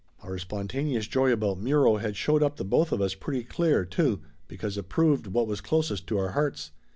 Our spon taneous joy about Muro had showed up the both of us pretty clear*, too, because it proved what was closest to our hearts.